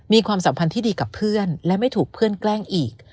ความสัมพันธ์ที่ดีกับเพื่อนและไม่ถูกเพื่อนแกล้งอีก